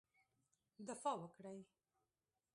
دفاع وکړی.